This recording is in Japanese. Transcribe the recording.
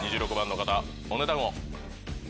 ２６番の方お値段を。